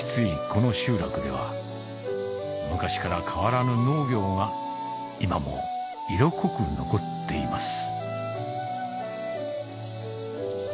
この集落では昔から変わらぬ農業が今も色濃く残っています